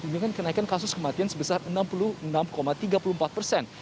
dengan kenaikan kasus kematian sebesar enam puluh enam tiga puluh empat persen